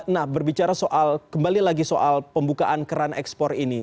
nah berbicara soal kembali lagi soal pembukaan keran ekspor ini